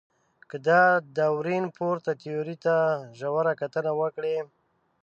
که د داروېن پورته تیوري ته ژوره کتنه وکړئ.